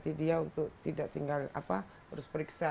jadi dia untuk tidak tinggal apa terus periksa